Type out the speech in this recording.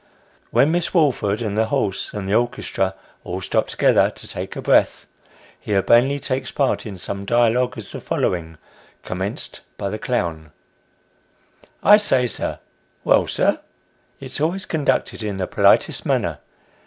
When Miss Woolford, and the horse, and the orchestra, all stop together to take breath, he urbanely takes part in some such dialogue as the following (commenced by the clown) :" I say, sir !"" Well, sir ?" (it's always conducted in the politest manner).